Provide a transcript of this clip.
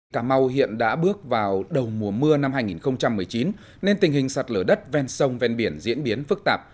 cà mau hiện đã bước vào đầu mùa mưa năm hai nghìn một mươi chín nên tình hình sạt lở đất ven sông ven biển diễn biến phức tạp